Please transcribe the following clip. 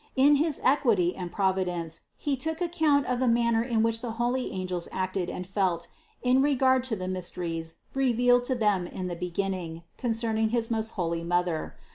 In his equity and providence He took account of the manner in which the holy angels acted and felt in regard to the mysteries revealed to them in the begin ning concerning his most holy Mother.